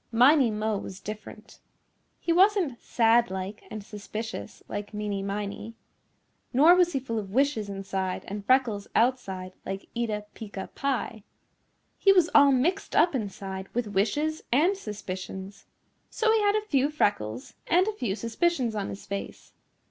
Miney Mo was different. He wasn't sad like and suspicious like Meeny Miney. Nor was he full of wishes inside and freckles outside like Eeta Peeca Pie. He was all mixed up inside with wishes and suspicions. So he had a few freckles and a few suspicions on his face.